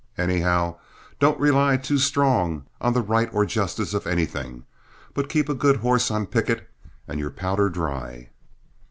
Anyhow don't rely too strong on the right or justice of anything, but keep a good horse on picket and your powder dry."